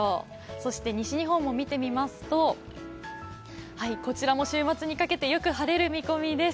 そして西日本も見てみますとこちらも週末にかけてよく晴れる見込みです。